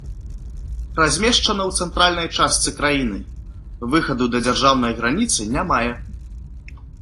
Размешчана ў цэнтральнай частцы краіны, выхаду да дзяржаўнай граніцы не мае.